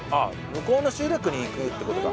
向こうの集落に行くって事か。